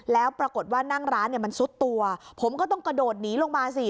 แล้วปรากฏว่านั่งร้านเนี่ยมันซุดตัวผมก็ต้องกระโดดหนีลงมาสิ